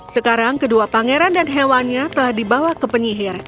sekarang kedua pangeran dan hewannya telah dibawa ke penyihir